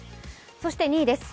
そして２位です。